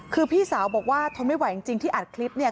คือพี่สาวบอกว่าทนไม่ไหวจริงที่อัดคลิปเนี่ย